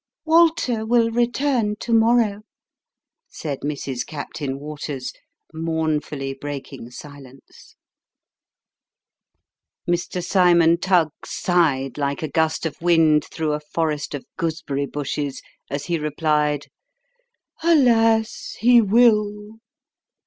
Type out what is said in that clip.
Walter will return to morrow," said Mrs. Captain Waters, mourn fully breaking silence. Platonic Love. 265 Mr. Cymon Tuggs sighed like a gust of wind through a forest of gooseberry bushes, as he replied, " Alas ! he will."